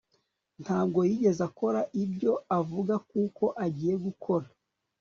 Ntabwo yigeze akora ibyo avuga ko agiye gukora